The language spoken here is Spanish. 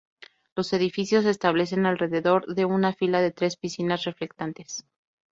Los edificios se establecen alrededor de una fila de tres piscinas reflectantes.